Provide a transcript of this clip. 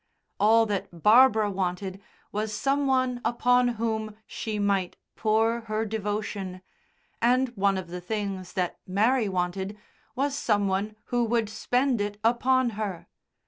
All that Barbara wanted was some one upon whom she might pour her devotion, and one of the things that Mary wanted was some one who would spend it upon her.